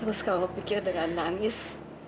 terus kalau pikir dengan nangis